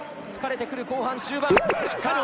疲れてくる後半終盤。